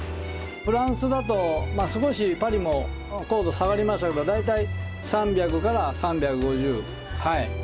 フランスだと少しパリも硬度下がりますけど大体３００３５０。